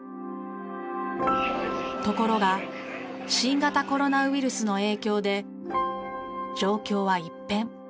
ところが新型コロナウイルスの影響で状況は一変。